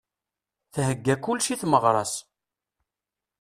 Thegga kullec i tmeɣra-s.